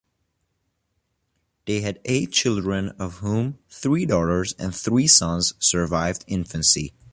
They had eight children of whom three daughters and three sons survived infancy.